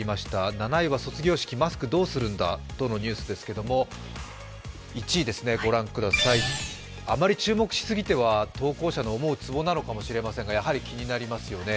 ７位は卒業式、マスクはどうするんだというニュースですが１位、あまり注目しすぎては投稿者の思うつぼなのかもしれませんが、やはり気になりますよね。